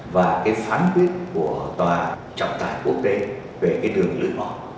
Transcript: và cái phán quyết của tòa trọng tài quốc tế về cái đường lưỡi bỏ